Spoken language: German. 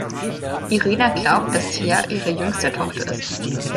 Irena glaubt, dass Tea ihre jüngste Tochter ist.